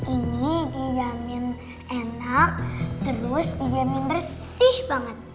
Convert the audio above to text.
ini dijamin enak terus dijamin bersih banget